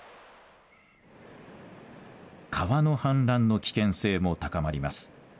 川の氾濫の危険性も高まります。